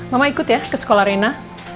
mama ikut ya ke sekolah rena